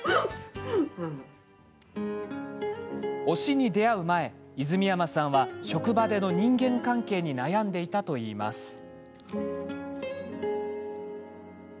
推しに出会う前泉山さんは職場での人間関係に悩んでいたといいます。